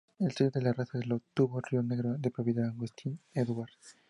El "sello de raza" lo obtuvo "Río Negro", de propiedad de Agustín Edwards.